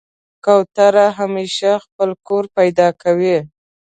کوتره همیشه خپل کور پیدا کوي.